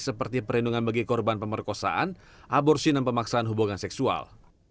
seperti perlindungan bagi korban pemerkosaan aborsi dan pemaksaan hubungan seksual